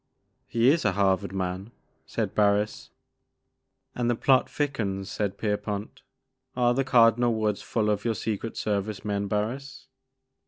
He is a Harvard man," said Barris. And the plot thickens," said Pierpont ;" are the Cardinal Woods full of your Secret Service men, Barris?"